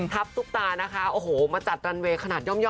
ทับทุกตานะคะโอ้โหมาจัดดันเวย์ขนาดย่อมเลยค่ะ